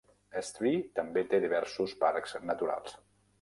Estrie també té diversos parcs naturals.